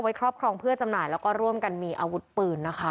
ครอบครองเพื่อจำหน่ายแล้วก็ร่วมกันมีอาวุธปืนนะคะ